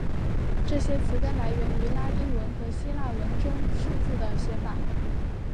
这些词根来源于拉丁文和希腊文中数字的写法。